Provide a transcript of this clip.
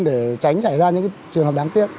để tránh trải ra những trường hợp đặc biệt